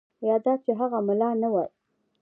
یا دا چې هغه ملا نه وای.